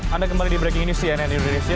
anda kembali di breaking news cnn indonesia